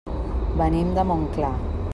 Venim de Montclar.